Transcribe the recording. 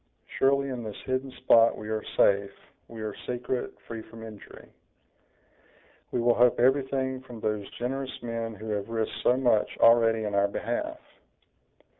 Surely, in this hidden spot we are safe, we are secret, free from injury; we will hope everything from those generous men who have risked so much already in our behalf."